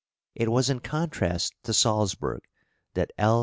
It was in contrast to Salzburg that L.